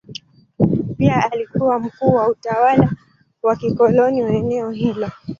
Pia alikuwa mkuu wa utawala wa kikoloni wa eneo hilo.